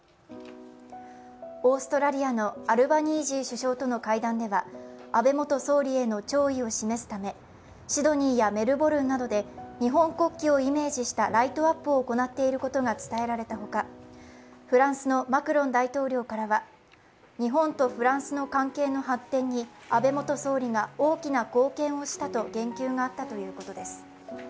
オーストラリアのアルバジーニー首相との会談では、安倍元総理への弔意を示すためシドニーやメルボルンなどで日本国旗をイメージしたライトアップを行っていることが伝えられたほか、フランスのマクロン大統領からは日本とフランスの関係の発展に安倍元総理が大きな貢献をしたと言及があったということです。